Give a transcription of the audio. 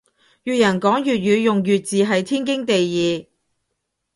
粵人講粵語用粵字係天經地義